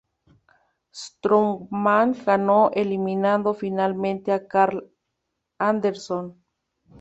Strowman ganó, eliminando finalmente a Karl Anderson.